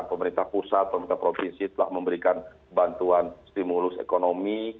pemerintah pusat pemerintah provinsi telah memberikan bantuan stimulus ekonomi